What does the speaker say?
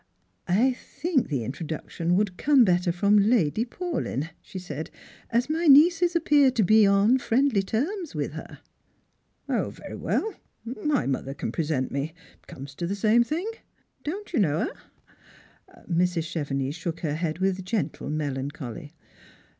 " I think the introduction would come better from Lady Paulyn," she said, " as my nieces appear to be on friendly terms with her." " 0, very well ; my mother can present me — it comes to the same thing. Don't you know her ?" Mrs. Chevenix shook her head with a gentle melancholy.